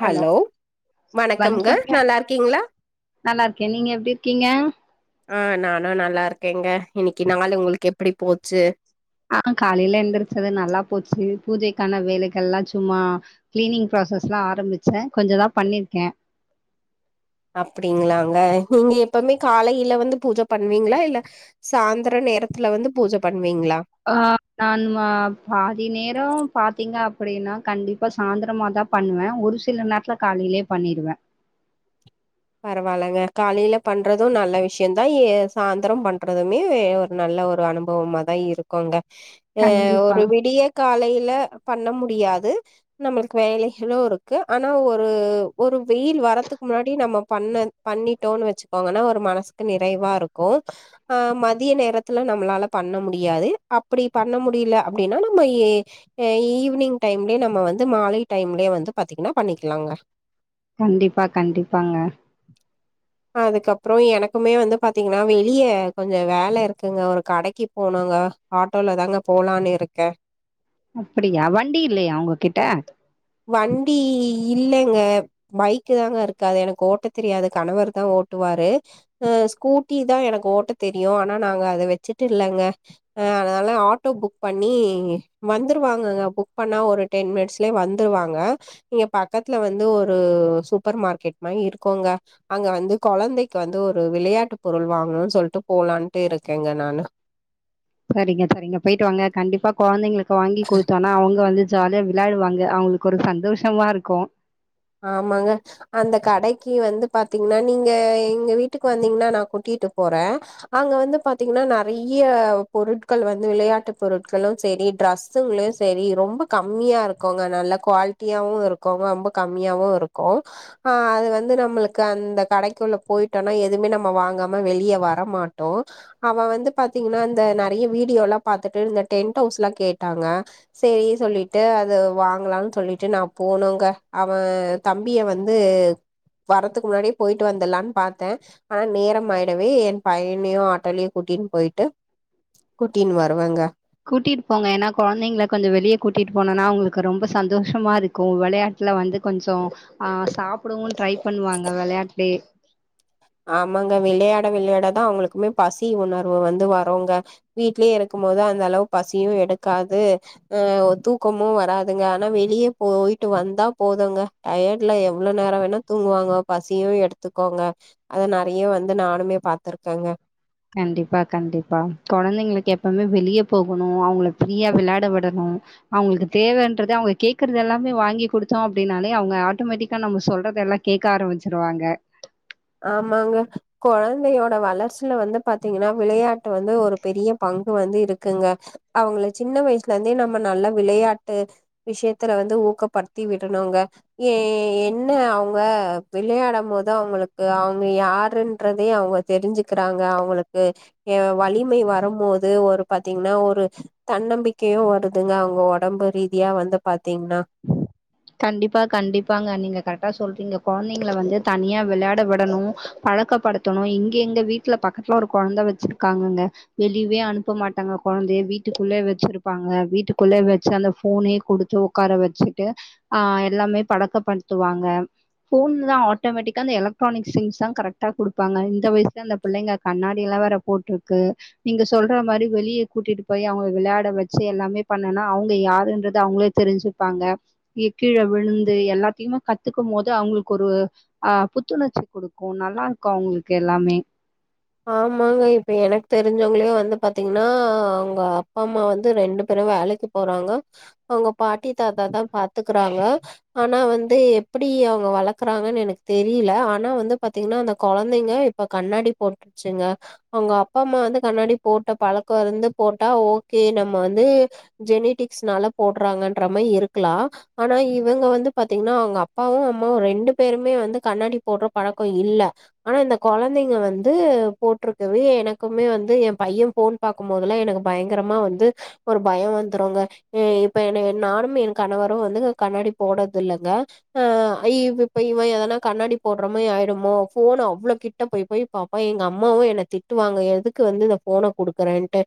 Hello வணக்கம்ங்க வணக்கங்க நல்லா இருக்கீங்களா நல்லா இருக்கே நீங்க எப்டி இருக்கீங்க ஆ நானு நல்லா இருக்கேங்க இன்னைக்கு நாளு உங்களுக்கு எப்டி போச்சு ஆ காலையில எந்திரச்சது நல்லா போச்சு பூஜைக்கான வேலைகல்லா சும்மா கிளீனிங் ப்ராசஸ் லா ஆரம்பிச்ச கொஞ்சோதா பண்ணிருக்க அப்டிங்களாங்க நீங்க எப்பவுமே காலையில வந்து பூஜை பண்ணுவீங்களா இல்ல சாய்ந்தர நேரத்துல வந்து பூஜை பண்ணுவீங்களா ஆ நா வ பாதி நேரோ பாத்தீங்க அப்டின்னா கண்டிப் இப்ப சாயந்திரமாதா பண்ணுவ ஒரு சில நேரத்துல காலையிலயே பண்ணிடுவ பரவாயில்லங்க காலையில பண்றதும் நல்ல விஷயந்தான் சாய்ந்தரோ பண்றதுமே நல்ல ஒரு அனுபவமா தா இருக்குங்க ஆ கண்டிப்பா ஒரு விடிய காலையில பண்ண முடியாது நம்மளுக்கு வேலைகளு இருக்கு ஆனா ஒரு ஒரு வெயில் வரதுக்கு முன்னாடி நம்ம பண்ண பண்ணிட்டோன்னு வச்சுக்கோங்கன்னா ஒரு மனசுக்கு நிறைவா இருக்கு ஆ மதிய நேரத்துல நம்மளால பண்ண முடியாது அப்டி பண்ண முடியல அப்டின்னா நம்ம ஏ ஏ ஈவினிங் டைம்லேயே நம்ம வந்து மாலை டைம்லேயே வந்து பாத்தீங்கன்னா பண்ணிக்கலாங்க கண்டிப்பா கண்டிப்பாங்க அதுக்கப்பறோ எனக்குமே வந்து பாத்தீங்கன்னா வெளியே கொஞ்சம் வேலை இருக்குங்க ஒரு கடைக்கு போனுங்க ஆட்டோல தாங்க போலான்னு இருக்கேன் அப்டியா வண்டி இல்லையா உங்ககிட்ட வண்டி இல்லங்க பைக்கு தாங்க இருக்காது எனக்கு ஓட்ட தெரியாது கணவர் தான் ஓட்டுவாரு ஆ ஸ்கூட்டி தான் எனக்கு ஓட்ட தெரியும் ஆனா நாங்க அத வச்சுட்டு இல்லங்க அதனால ஆட்டோ புக் பண்ணி வந்துருவாங்க புக் பண்ணா ஒரு டென் மினிட்ஸ்லயே வ ருவாங்க நீங்க பக்கத்துல வந்து ஒரு சூப்பர் மார்க்கெட் மாரி இருக்கோங்க அங்க வந்து குழந்தைக்கு வந்து ஒரு விளையாட்டு பொருள் வாங்கணும்னு சொல்ட்டு போலான்ட்டுருக்கேங்க நானு சரிங்க சரிங்க போயிட்டு வாங்க கண்டிப்பா குழந்தைங்களுக்கு வாங்கி குடுத்தோன்னா அவுங்க வந்து ஜாலியா விளையாடுவாங்க அவங்களுக்கு ஒரு சந்தோஷமா இருக்கும் ஆமாங்க அந்த கடைக்கு வந்து பாத்தீங்கன்னா நீங்க எங்க வீட்டுக்கு வந்தீங்கன்னா நா கூட்டிட்டு போறேன் அங்க வந்து பாத்தீங்கன்னா நறைய பொருட்கள் வந்து விளையாட்டு பொருட்களும் சேரி டிரஸ் பசுங்களும் செரி ரொம்ப கம்மியா இருக்கோங்க நல்ல குவாலிட்டியாவும் இருக்கோங்க ரொம்ப கம்மியாவும் இருக்கும் ஆ அது வந்து நம்மளுக்கு அந்த கடைக்குள்ள போயிட்டோனா எதுவுமே நம்ம வாங்காம வெளியே வர மாட்டோ அவ வந்து பாத்தீங்கன்னா இந்த நிறைய வீடியோலா பாத்துட்டு இந்த டென்ட் ஹவுஸ்லாம் கேட்டாங்க சேரி சொல்லிட்டு அது வாங்கலாம்னு சொல்லிட்டு நா போனுங்க அவன் தம்பியை வந்து வரதுக்கு முன்னாடியே போயிட்டு வந்துடலான்னு பார்த்தேன் ஆனா நேரம் ஆயிடவே என் பையனையும் ஆட்டோலயும் கூட்டின்னு போயிட்டு கூட்டின்னு வருவாங்க கூட்டிட்டு போங்க ஏனா கொழந்தைங்களை கொஞ்ச வெளிய கூட்டிகிட்டு போனோம்னா உங்களுக்கு ரொம்ப சந்தோஷமா இருக்கும் வெளையாட்டுல வந்து கொஞ்சம் சாப்பிடவும் ட்ரை பண்ணுவாங்க வெளையாட்டு ஆமாங்க வெளையாட வெளையாட தான் அவங்களுக்குமே பசி உணர்வு வந்து வரும்ங்க வீட்லயே இருக்கும் போது அந்த அளவு பசியும் எடுக்காது அஹ் தூக்கமும் வராதுங்க ஆனா வெளியே போயிட்டு வந்தா போதுங்க டயர்ட்ல எவ்வளவு நேரம் வேணா தூங்குவாங்க பசியும் எடுத்துக்கோங்க அத நெறைய வந்து நானுமே பா்த்திருக்கேங்க கண்டிப்பா கண்டிப்பா கொழந்தைங்களுக்கு எப்பவுமே வெளியே போகணும் அவங்கள பிரீயா வெளையாட விடணும் அவங்களுக்கு தேவைன்றது அவங்க கேடக்குறது எல்லாமே வாங்கி கொடுத்தோம் அப்டினாலே அவங்க ஆட்டோமேட்டிக்கா நம்ம சொல்றது எல்லாம் கேட்க ஆரம்பிச்சிருவாங்க ஆமாங்க கொழந்தையோட வளர்ச்சியில வந்து பாத்தீங்கன்னா வெளையாட்டு வந்து ஒரு பெரிய பங்கு வந்து இருக்குங்க அவங்கள சின்ன வயசுல இருந்தே நம்ம நல்லா வெளையாட்டு விஷயத்துல வந்து ஊக்கப்படுத்தி விடனும்ங்க ஏ என்ன அவங்க விளையாடும் போது அவங்களுக்கு அவங்க யாருன்றதே அவங்க தெரிஞ்சுிக்கிறாங்க அவங்களுக்கு அஹ வலிமை வரும்போது ஒரு பாத்தீங்கன்னா ஒரு தன்னம்பிக்கையையும் வருதுங்க அவங்க உடம்பு ரீதியா வந்து பாத்தீங்கன்னா கண்டிப்பா கண்டிப்பாங்க நீங்க கரெக்டா சொல்றீங்க கொழந்தைங்க வந்து தனியா வெளையாட விடணும் பழக்கப்படுத்த ணும் இங்க எங்க வீட்டுல பக்கத்துல ஒரு கொழந்த வச்சிருக்காங்கங்க வெளியவே அனுப்ப மாட்டாங்க கொழந்தைய வீட்டுக்குள்ளே வச்சிருப்பாங்க வீட்டுக்குள்ளே வச்சு அந்த போனே கொடுத்து உட்கார வச்சுட்டு ஆஹ் எல்லாமே பழக்கப்படுத்துவாங்க ஃபோன் தான் ஆட்டோமேட்டிக்காக அந்த எலக்ட்ரானிக் சிங்ஸ் தான் கரெக்ட கொடுப்பாங்க இந்த வயசல அந்தபுள்ளைங்க கண்ணாடியிலாம் வேற போட்டுருக்கு நீங்க சொல்ற மாறி வெளியே கூட்டிட்டு போய் அவங்க வெளையாட வச்சு எல்லாமே பண்ணுனா அவங்க யாருன்றது அவங்களே தெரிஞ்சு ப்பாங்க கீழ விழுந்து எல்லாத்தையுமே கத்துக்கும் போது அவங்களுக்கு ஒரு ஆஹ் புத்துணர்ச்சி குடுக்கும் நல்லா இருக்கும் அவங்களுக்கு எல்லாமே ஆமாங்க இப்ப எனக்கு தெரிஞ்சவங்களயே வந்து பாத்தீங்கன்னா அவங்க அப்பா அம்மா வந்து ரெண்டு பேரும் வேலைக் கு போறாங்க அவங்க பாட்டி தாத்தா தான் பாத்துக்கறாங்க ஆனா வந்து எப்படி அவங்க வளக்குறாங்கன்னு எனக்கு தெரியல ஆனா வந்து பாத்தீங்கன்னா அந்த கொழந்தைங்க இப்ப கண்ணாடி போட்டுருச்சுங்க அவங்க அப்பா அம்மா வந்து கண்ணாடி போட்ட பழக்கம் இருந்து போட்டா ஓகே நம்ம வந்து ஜெனிடிக்ஸ்னால போடுறாங்கன்ற மாதிரி இருக்கலாம் ஆனா இவங்க வந்து பாத்தீங்கன்னா அவங்க அப்பாவும் அம்மாவும் ரெண்டு பேருமே வந்து கண்ணாடி போடுற பழக்கம் இல்ல ஆனா இந்த கொழந்தைங்க வந்து போட்டிருக்கவே எனக்குமே வந்து என் பையன் போன் பாக்கும்போ தெல்லாம் எனக்கு பயங்கரமா வந்து ஒரு பயம் வந்துருங்க இப்ப என் நானும் கணவரும் வந்து கண்ணாடி போட்டது இல்லைங்க ஆஹ் இப்ப இவன் எதனா கண்ணாடி போடுற மாரி ஆய்டுமோ போனா அவ்ளோ கிட்ட போய் போய் பார்ப்பான் எங்க அம் அம்மாவும் என்னை திட்டுவாங்க எதுக்கு வந்து இந்த போன குடுக்கறேன்ட்டு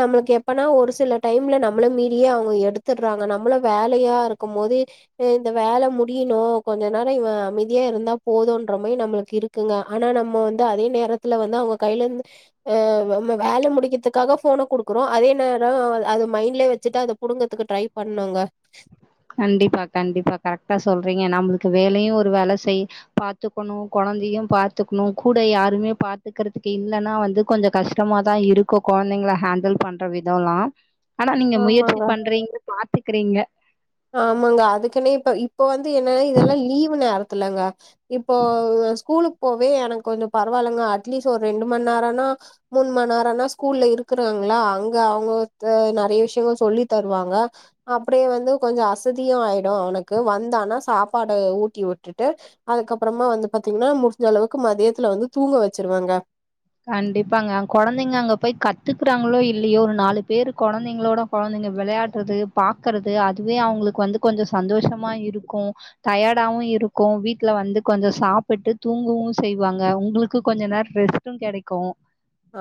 நம்மளுக்கு எப்பனா ஒரு சில டைம்ல நம்மள மீறியே அவங்க எடுத்துடுறாங்க நம்மளும் வேலையா இருக்கும் போது எ இந்த வேல முடியணு கொஞ்ச நேரொ இவெ அமைதியா இருந்தா போதுன்ற மாரி நம்ளுக்கு இருக் குங்க ஆனா நம்ம வந்து அதே நேரத்துல வந்து அவுங்க கையிலெந்து அ நம்ம வேல முடிக்கிற்துக்காக ஃபோன குடுக்குறோ அதே நேரொ அது மைண்ட்லே வெச்சுட்டு அத புடுங்கற்துக்கு ட்ரை பண்ணுங்க கண்டிப்பா கண்டிப்பா கரெக்டா சொல்றீங்க நம்ளுக்கு வேலையு ஒரு வேல செய் பாத்துக்கணு கொழந்தையு பாத்துக்குணு கூட யாருமே பாத்துக்கறதுக்கு இல்லனா வந்து கொஞ்சொ கஷ்டமா தா இருக்கு கொழந்தைங்கள ஹேண்டில் பண்ற விதல்லா ஆனா நீங்க முயற்சி ஆமாங்க பண்றீங்க பாத்துக்கிறீங்க ஆமாங்க அதுக்குன்னே இப்ப இப்ப வந்து என்னன்னா இதெல்லா லீவு நேரத்துலங்க இப்போ ஸ்கூலுக்கு போவே எனக்கு கொஞ்சொ பரவால்லங்க அட்லீஸ்ட் ஒரு ரெண்டு மண் நேரன்னா மூனு மண் நேரன்னா ஸ்கூல்ல இருக்குறாங்களா அங்க அவுங்கட்ட நெறைய விஷ்யங்கள் சொல்லி தருவாங்க அப்டியே வந்து கொஞ்சொ அசதியு ஆயிடு அவனுக்கு வந்தானா சாப்பாட ஊட்டி விட்டுட்டு அதுக்கப்பறமா வந்து பாத்திங்கன்னா முடுஞ்ச அளவுக்கு மதியத்துல வந்து தூங்க வச்சுருவேங்க கண்டிப்பாங்க கொழந்தைங்க அங்க போய் கத்துக்குறாங்களோ இல்லையோ ஒரு நாலு பேரு கொழந்தைங்களோட கொழந்தெங்க வெளையாட்றது பாக்கறது அதுவே அவுங்களுக்கு வந்து கொஞ்சொ சந்தோஷமா இருக்கு டயடாவு இருக்கு வீட்டுல வந்து கொஞ்சொ சாப்பிட்டு தூங்குவு செய்வாங்க உங்களுக்கு கொஞ்ச நேர் ரெஸ் டு கெடைக்கு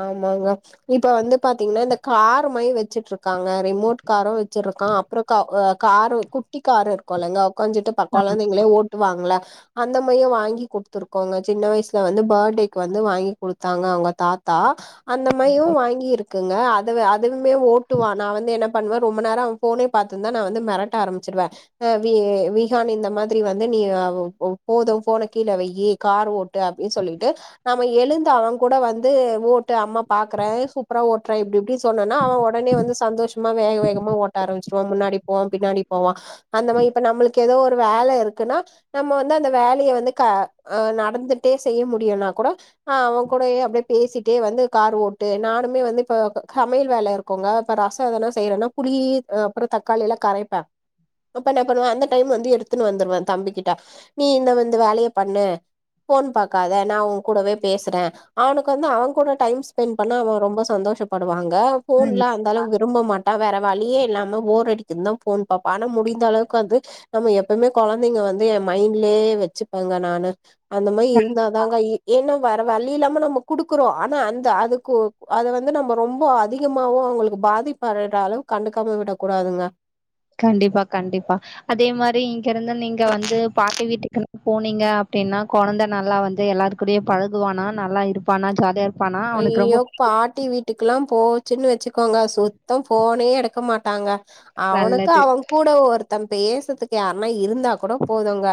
ஆமாங்க இப்ப வந்து பாத்திங்கன்னா இந்த காரு மாறி வச்சுட்டு இருக்காங்க ரிமோட் காரு வச்சிருக்கா அப்றொ கா அ காரு குட்டி காரு இருக்குல்லெங்க உக்காஞ்சிட்டு ப கொழந்தைங்களே ஓட்டுவாங்கள அந்த மாயி வாங்கி குடுத்துருக்கோங்க சின்ன வயசுல வந்து பாடேக்கு வந்து வாங்கி குடுத்தாங்க அவுங்க தாத் தா அந்த மாயு வாங்கி இருக் இருக்குங்க அது அதுவுமே ஓட்டுவா நா வந்து என்ன பண்ணுவே ரொம்ப நேரொ அவெ ஃபோனே பாத்துர்ந்தா நா வந்து மெரட்ட ஆரம்பிச்சிடுவே அ வி விஹான் இந்த மாதிரி வந்து நீ போது ஃபோன கீழ வெயி கார் ஓட் டு அப்டின் சொல்லிட்டு நம்ம எழுந்து அவ கூட வந் து ஓட்டு அம்மா பாக்குறே சூப்பரா ஓட்டுற இப்டி இப்டி சொன்னெனா அவ ஒடனே வந்து சந்தோஷமா வேக வேகமா ஓட் ஆரமிச்சுருவா முன்னாடி போவா பின்னாடி போவா அந்த மாறி இப்ப நம்மளுக்கு ஏதோ ஒரு வேல இருக்குன்னா நம்ம வந்து அந்த வேலைய வந்து க அ நடந்துட்டே செய்ய முடியுன்னா கூட அ அவ கூடயே அப்டே பேசிட்டே வந்து கார் ஓட்டு நானுமே வந்து இப்ப சமையல் வேல இருக்குங்க இப்ப ரசொ எதனா செய்றேன்னா புளி அப்பறொ தக்காளில்லா கரைப்பே அப்பென்னா பண்ணுவா அந்த டைம் வந்து எடுத்துன்னு வந்துருவா தம்பிக்கிட்ட நீ இந்த வந்து வேலைய பண்ணு ஃபோன் பாக்காத நா உ கூடவே பேசுறே அவனுக் கு வந்து அவ கூட டைம் ஸ்பெண்ட் பண்ணா அவ ரொம்ப சந்தோஷப்படுவாங்க ஃபோன்ல அந் தளவு விரும்ப மாட்டா வேற வழியே இல்லாம போர் அடிக்குந் தா ஃபோன் பாப்பா ஆனா முடிந்த அளவுக்கு வந்து நம்ம எப்பய்மே கொழந்தெங்க வந்து என் மைண்ட்லே வச்சுப்பேங்க நானு அந்த மாரி இருந்தாதாங்க ஏன்னா வேற வழி இல்லாம நம்ம குடுக்குறோ ஆனா அந்த அதுக்கு அத வந்து நம்ம ரொம்ப அதிகமாவு அவுங்களுக்கு பாதிப் [unintelligible] கண்டுக்காம விட கூடாதுங்க கண்டிப்பா கண்டிப்பா அதே மாரி இங்கெருந்து நீங்க வந்து பாட்டி வீட்டுக்கினு போனீங்க அப்டின்னா கொழந்த நல்லா வந்து எல்லாரு கூடயே பழகுவானா நல்லா இருப்பானா ஜாலியா இரு அய்யயோ பாட்டி வீட் ட்டுக்குலா போச்சுன்னு வச்சுக்கோங்க சுத்தம் ஃபோனே எடுக்க மாட்டாங்க அவனுக்கு நல்லது. அவ கூட ஒருத்தன் பேசத்துக்கு யாருன்னா இருந்தா கூட போதுங்க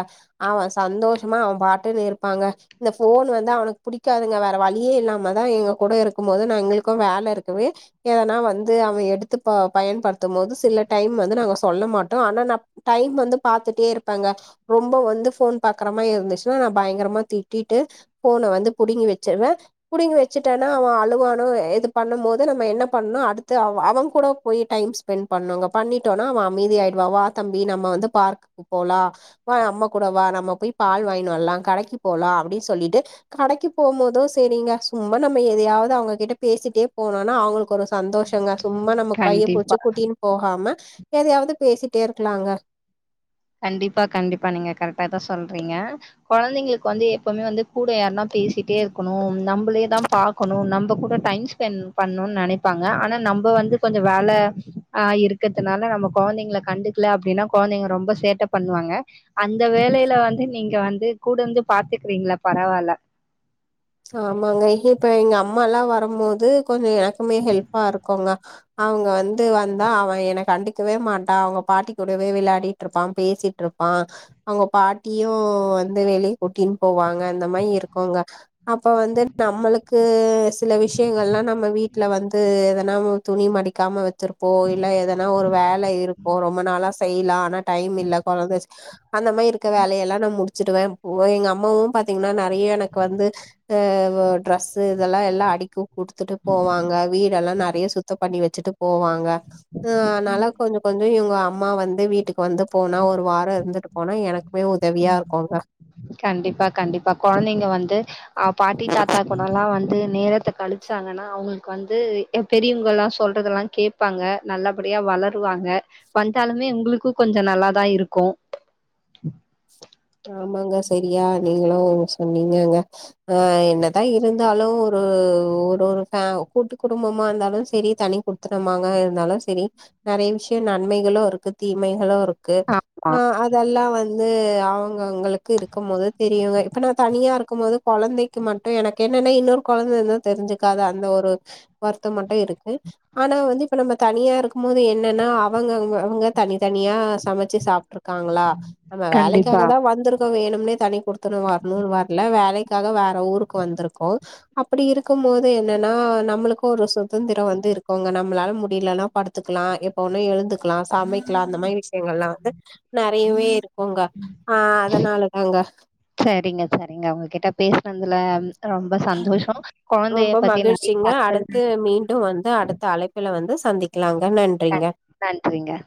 அவன் சந்தோஷமா அவன் பாட்டுன்னே இருப்பாங்க இந்த ஃபோன் வந்து அவனுக்கு புடிக்காதுங்க வேற வழியே இல்லாம நம்மதா எங்க கூட இருக்கும் போது நா எங்களுக்கும் வேல இருக்கவே எதனா வந்து அவன் எடுத்து ப பயன்படுத்தும் போது சில டைம் வந்து நாங்க சொ சொல்ல மாட்டோ ஆனா நா டைம் வந்து பாத்துட்டே இருப்பங்க ரொம்ப வந்து ஃபோன் பாக்குறமாரி இருந்துச்சுன்னா நா பயங்கரமா திட்டிட்டு ஃபோன வந்து புடுங்கி வச்சிருவே புடிங்கி வச்சுட்டனா அவன் அழுவானும் இது பண்ணும் போது நம்ம என்ன பண்ணனும் அடுத்து அவ அவன் கூட போய் டைம் ஸ் ஸ்பெண்ட் பண்ணுவங்க பண்ணிட்டோன்னா அவன் அமைதி ஆயிடுவா வா தம்பி நம்ம வந்து பார்குக்கு போலா வா அம்மா கூட வா நம்ம போய் பால் வாங்கினு வரலாம் கடைக்கு போலா அப்டின்னு சொல்லிட்டு கடைக்கு போம்போதும் சரிங்க சும்மா நம்ம எதையாவது அவங்க கிட்ட பேசிட்டே போனோன்னா அவங்களுக்கு ஒரு சந்தோஷங்க சும்மா நம்ம கைய கண்டிப் பிடிச்சு குட்டின்னு போகாம எதையாவது பேசிட்டே இருக்கலாங்க கண்டிப்பா கண்டிப்பா நீங்க கரெக்டா தா சொல்றீங்க கொழந்தைங்களுக்கு வந்து எப்பவுமே வந்து கூட யாரருன்னா பேசிட்டே இருக்கணும் நம்மளே தா பாக்கணும் நம்ம கூட டைம்ஸ் ஸ்பென்ட் பண்ணுன்னு நெனைப்பாங்க ஆனா நம்ம வந்து கொஞ்சம் வேல ஆ இருக்கத்துனால நம்ம கொழந்தைங்கள கண்டு இல்ல அப்டின்னா கொழந்தைங்க ரொம்ப சேட்ட பண்ணுவாங்க அந்த வேலையில வந்து நீங்க வந்து கூடந்து பாத்துக்கறீங்கள பரவால்ல ஆமாங்க இப்ப எங்க அம்மால்லா வரம் போது கொஞ்சம் எனக்குமே ஹெல்ப்பா இருக்கோங்க அவங்க வந்து வந்தா அவன் என கண்டிக்கவே மாட்டான் அவங்க பாட்டி கூடவே வெளையாடிட்டு இருப்பான் பேசிட்டு இருப்பான் அவங்க பாட்டியும் வந்து வெளிய கூட்டின்னு போவாங்க அந்த மாரி இருக்குங்க அப்ப வந்து நம்மளுக்கு ஸ் சில விஷயங்கள்லா நம்ம வீட்ல வந்து எதுனா துணி மடிக்காம வச் வச்சிருப்போ இல்ல எதனா ஒரு வேல இருக்கோம் ரொம்ப நாளா செய்யலாம் ஆனா டைம் இல்ல கொழந்த அந்த மாரி இருக்க வேலயெல்லா நா முடிச்சிடுவே ஓ எங்க அம்மாவும் பாத்தீங்கன்னா நெறைய எனக்கு வந்து ஆ ட்ரெஸ்ஸு இதெல்லா எல்லா அடிக்கி குடுத்துட்டு போவாங்க வீடெல்லா நெறைய சுத்தம் பண்ணி வச்சுட்டு போவாங்க ஆ அதனால கொஞ்சம் கொஞ்சம் இவங்க அம்மா வந்து வீட்டுக்கு வந்து போனா ஒரு வாரோ இருந்துட்டு போனா எனக்குமே உதவியா இருக்குங்க கண்டிப்பா கண்டிப்பா கொழந்தைங்க வந்து அ பாட்டி தாத்தா கூடல்லா வந்து நேரத்த கழு வச்சாங்கன்னா அவங்களுக்கு வந்து பெரியவங்கல்லா சொல்றதெல்லா கேட்பாங்க நல்லபடியா வளருவாங்க வந்தாலுமே உங்களுக்கும் கொஞ்சம் நல்லாதா இருக்கும் ஆமாங்க சரியா நீங்களும் சொன்னிங்கங்க ஆ என்னதா இருந்தாலும் ஒரு ஒரு ஒரு ஃபே கூட்டு குடும்பமா இருந்தாலும் சரி தனி குடு த்தனமாக இருந்தாலும் சரி நெறைய விஷயம் நன்மைகளும் தீமைகளும் இருக்கு க்கு ஆமா. ஆ அதெல்லா வந்து அவ ங்கவங்களுக்கு இருக்கமோது தெரியுங்க இப்ப நா தனியாருக்குமோது கொழந்தைக்கு மட்டும் எனக்கு என்னன்ன இன்னொரு கொழந்தருந்தா தெரிஞ்சுக்காத அந்த ஒரு வருத்தம் மட்டும் இருக்கு ஆனா வந்து இப்ப நம்ம தனியா இருக்குமோது என்னன்னா அவங்க அவங்க அவங்கத் தனித்தனியா சமச்சு சாப்ட்டுருக் க்காங்களா நம்ம வேலைக்காக் கண்டிப்பா. வந்துருக்கோ வேணும்னே தனிக் குடுத்தணம் வர்ணுன்னு வர்ல வேலைக்காக வேற ஊருக்கு வந்திருக்கோ அப்டி இருக்கும்மோது என்னன்னா நம்மளுக்கும் ஒரு சுதந்திரம் வந்து இருக்கோங்க நம்மளால முடிலன்னா படுத்துக்கலா எப்ப ஓணா எழுந்துக்கலாம் சமைக்கலாம் அந்த மாரி விஷயங்களாம் வந்து நெறையவே இருக் போங்க ஆ அதனால தாங்க சரிங்க சரிங்க உங்ககிட்ட பேசுனதுல ரொம்ப சந்தோஷம் கொழந்தைய ரொம்ப பத்தி நெறைய மகிழ்ச்சிங்க தகவல் அடுத்து மீன் டு வந்து அடுத்த அழைப்பில வந்து சந்திக்கலாங்க நன்றிங்க கண் நன்றிங்க